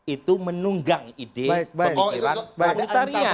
itu menunggang ide pemotiran komunitarian